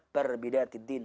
perbeda hati din